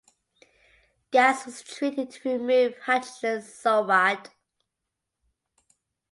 Gas was treated to remove hydrogen sulfide.